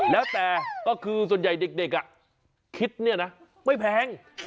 แล้วแต่ก็คือส่วนใหญ่เด็กคิดไม่แพง